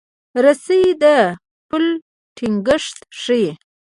رسۍ د پل ټینګښت ښيي.